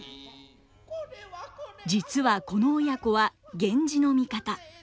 実はこの親子は源氏の味方。